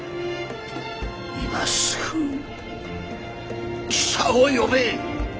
今すぐ記者を呼べ！